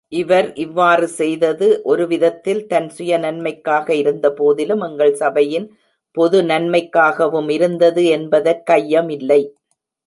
இவர் இவ்வாறு செய்தது, ஒரு விதத்தில் தன் சுய நன்மைக்காக இருந்தபோதிலும், எங்கள் சபையின் பொது நன்மைக்காகவுமிருந்தது என்பதற்கையமில்லை.